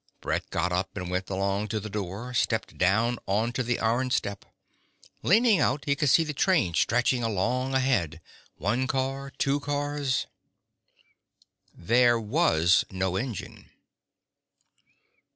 Brett got up and went along to the door, stepped down onto the iron step. Leaning out, he could see the train stretching along ahead, one car, two cars There was no engine.